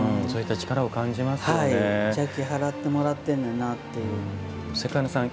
邪気、払ってもらってんねんなって。